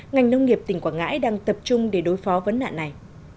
ngành nông nghiệp tỉnh quảng ngãi đang tập trung để đối phó vấn nạn này